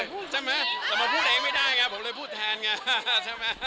ดูฉาก่อนไปทำยังไงมาถึงยังสวย